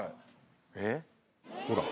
えっ？ほら。